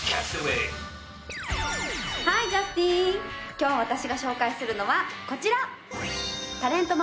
今日私が紹介するのはこちら！